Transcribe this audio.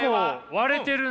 割れてるな！